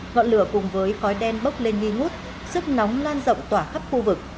ngọn lửa cùng với khói đen bốc lên nghi ngút sức nóng lan rộng tỏa khắp khu vực